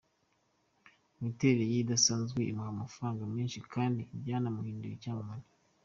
Imiterere ye idasanzwe imuha amafaranga menshi kandi byanamuhinduye icyamamare .